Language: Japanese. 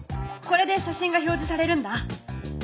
これで写真が表示されるんだ。